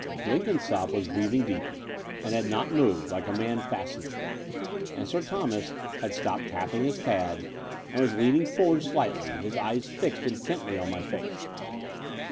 Blenkinsopp was breathing deeply and had not moved, like a man fascinated : and Sir Thomas had stopped tapping his pad and was leaning forward slightly, his eyes fixed intently on my face.